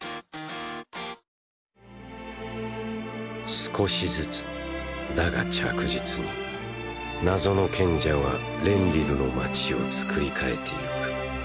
少しずつだが着実に謎の賢者はレンリルの街を作り替えていく。